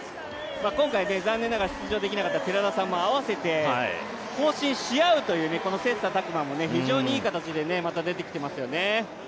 今回、残念ながら出場できなかった寺田さんもあわせて更新し合うという切磋琢磨も非常にいい形で出てきていますよね。